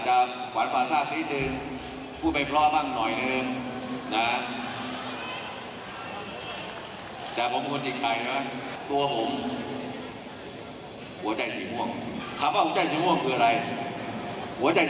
หัวใจสิงห่วงคือหัวใจของคนที่ใกล้จะตาย